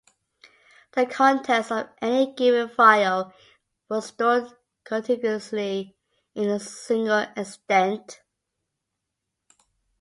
The contents of any given file was stored contiguously in a single "extent".